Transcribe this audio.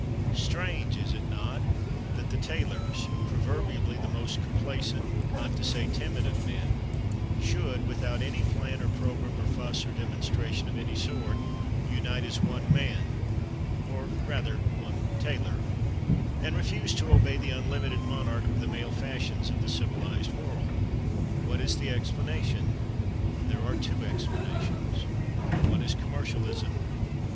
Strange, is it not, that the Tailors (proverbially the most complacent, not to say timid, of men) should, without any plan or program or fuss or demonstration of any sort, unite as one man—or rather one tailor—and refuse to obey the unlimited monarch of the male fashions of the civilized world. What is the explanation? There are two explanations. One is Commercialism.